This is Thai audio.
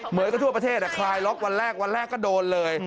เหมือนกับทั่วประเทศคลายล็อกวันแรกวันแรกก็โดนเลย